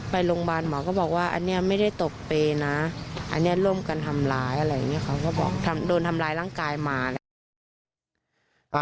เขาก็บอกโดนทำร้ายร่างกายมา